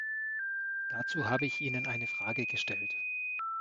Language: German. Dazu habe ich Ihnen eine Frage gestellt.